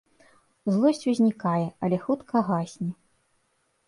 Злосць узнікае, але хутка гасне.